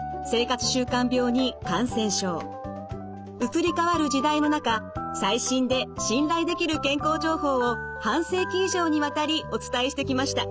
移り変わる時代の中最新で信頼できる健康情報を半世紀以上にわたりお伝えしてきました。